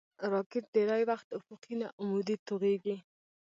راکټ ډېری وخت افقي نه، عمودي توغېږي